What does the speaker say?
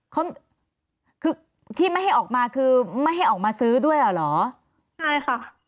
เขาคือที่ไม่ให้ออกมาคือไม่ให้ออกมาซื้อด้วยเหรอใช่ค่ะ